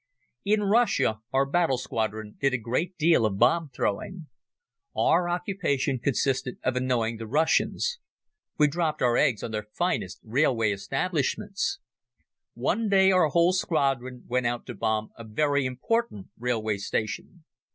In Russia our battle squadron did a great deal of bomb throwing. Our occupation consisted of annoying the Russians. We dropped our eggs on their finest railway establishments. One day our whole squadron went out to bomb a very important railway station.